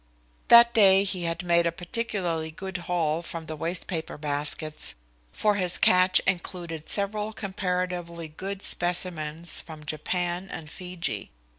That day he had made a particularly good haul from the waste paper baskets, for his "catch" included several comparatively good specimens from Japan and Fiji.